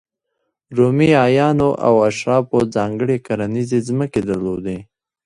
رومي اعیانو او اشرافو ځانګړې کرنیزې ځمکې درلودې.